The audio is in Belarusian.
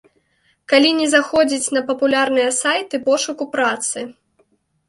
Калі не заходзіць на папулярныя сайты пошуку працы.